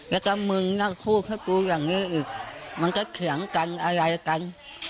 แล้วก็มึงนั่งพูดกับกูอย่างนี้อีกมันก็เถียงกันอะไรกัน